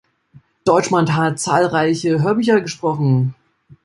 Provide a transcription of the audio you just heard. Deutschmann hat zahlreiche Hörbücher gesprochen.